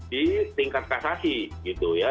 di tingkat kasasi gitu ya